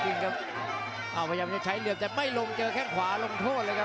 พยายามจะใช้เหลี่ยมแต่ไม่ลงเจอแค่งขวาลงโทษเลยครับ